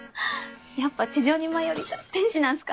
やっぱ地上に舞い降りた天使なんすか？